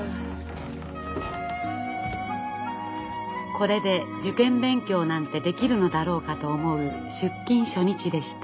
これで受験勉強なんてできるのだろうかと思う出勤初日でした。